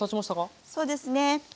そうですね。